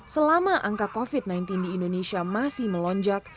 selama angka covid sembilan belas di indonesia masih melonjak